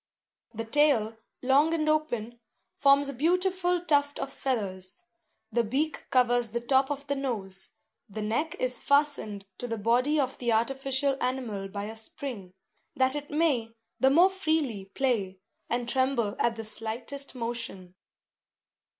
The tail, long and open, forms a beautiful tuft of feathers. The beak covers the top of the nose; the neck is fastened to the body of the artificial animal by a spring, that it may the more freely play, and tremble at the slightest motion.